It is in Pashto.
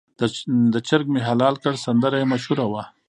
د چرګ مې حلال کړ سندره یې مشهوره وه.